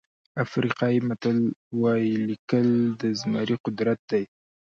افریقایي متل وایي لیکل د زمري قدرت دی.